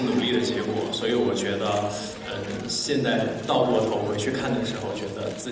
เหมือนคนที่สามารถติดแบบนั้นก็คิดว่ามันดี